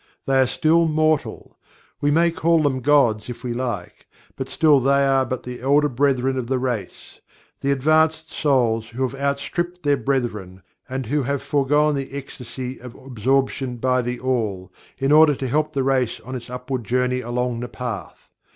They are still Mortal. We may call them "gods" if we like, but still they are but the Elder Brethren of the Race, the advanced souls who have outstripped their brethren, and who have foregone the ecstasy of Absorption by THE ALL, in order to help the race on its upward journey along The Path.